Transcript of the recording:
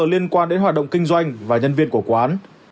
liên quan đến hoạt động kinh doanh và nhân viên của quán